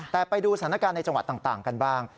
แต่ไปดูสถานการณ์ในจังหวัดต่างกันบ้าง